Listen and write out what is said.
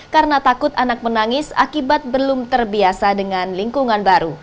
karena takut anak menangis akibat belum terbiasa dengan lingkungan baru